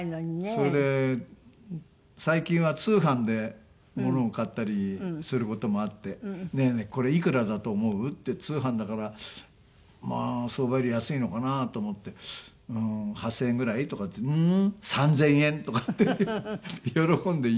それで最近は通販で物を買ったりする事もあって「ねえねえこれいくらだと思う？」って通販だからまあ相場より安いのかなと思って「うーん８０００円ぐらい？」とかって「ううん３０００円」とかって喜んで言いますけどね。